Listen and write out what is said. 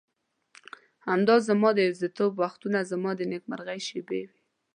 همدا زما د یوازیتوب وختونه زما د نېکمرغۍ شېبې وې.